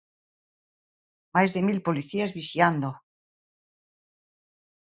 Máis de mil policías vixiando.